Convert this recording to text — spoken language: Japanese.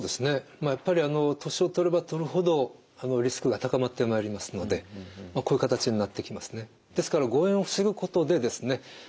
まあやっぱり年をとればとるほどリスクが高まってまいりますのでこういう形になってきますね。